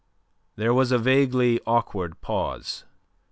There was a vaguely awkward pause.